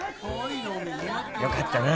よかったな